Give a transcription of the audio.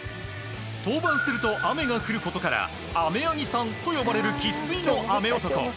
登板すると雨が降ることから雨柳さんと呼ばれる生粋の雨男。